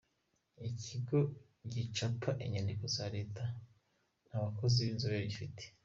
“Ikigo gicapa inyandiko za Leta nta bakozi b’inzobere gifite”